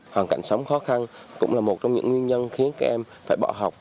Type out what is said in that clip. hoàn cảnh sống khó khăn cũng là một trong những nguyên nhân khiến các em phải bỏ học